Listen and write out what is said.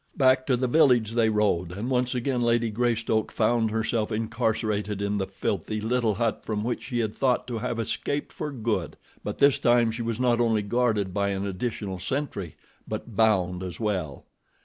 Back to the village they rode, and once again Lady Greystoke found herself incarcerated in the filthy, little hut from which she had thought to have escaped for good. But this time she was not only guarded by an additional sentry, but bound as well.